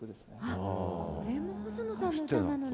あっこれも細野さんの曲なのね。